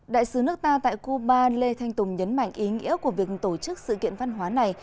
đại sứ nước ta tại cuba lê thanh tùng nhấn mạnh ý nghĩa của việc tổ chức sự kiện văn hóa này